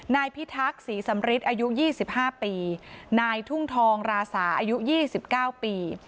นายพิทักษ์ศรีสัมฤทธิ์อายุยี่สิบห้าปีนายทุ่งทองราษาอายุยี่สิบเก้าปี